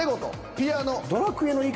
「ピアノ」。